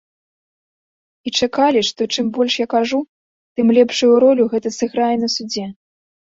І чакалі, што, чым больш я кажу, тым лепшую ролю гэта сыграе на судзе.